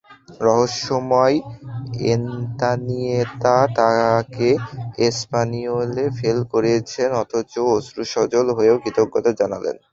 রহস্যময় এনতানিয়েতা তাঁকে এসপানিওলে ফেল করিয়েছেন, অথচ অশ্রুসজল হয়ে কৃতজ্ঞতাও জানালেন।